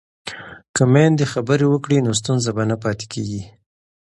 که میندې خبرې وکړي نو ستونزه به نه پاتې کېږي.